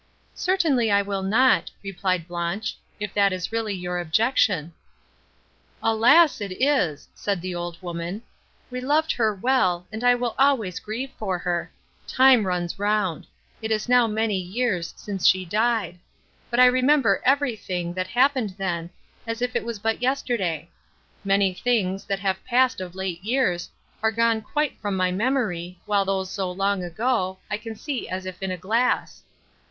"Certainly I will not," replied Blanche, "if that is really your objection." "Alas! it is," said the old woman: "we all loved her well, and I shall always grieve for her. Time runs round! it is now many years, since she died; but I remember everything, that happened then, as if it was but yesterday. Many things, that have passed of late years, are gone quite from my memory, while those so long ago, I can see as if in a glass."